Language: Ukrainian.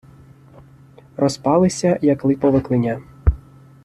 Розпалися, як липове клиня.